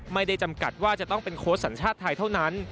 ไม่ได้จำกัดว่าจะต้องเป็นโค้ชศันต์ชาติไทยเท่านั้น